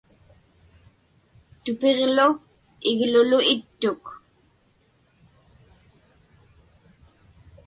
Tupiġlu iglulu ittuk.